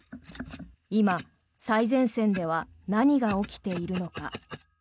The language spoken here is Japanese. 今、最前線では何が起きているのか。